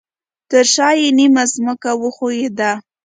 ترشاه یې نیمه ځمکه وښویده